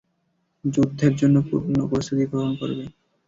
যুদ্ধের জন্য পূর্ণ প্রস্তুতি গ্রহণ করবে।